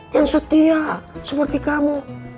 yang setia seperti kamu